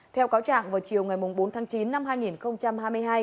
theo cáo trạng vào chiều ngày bốn tháng chín năm hai nghìn hai mươi hai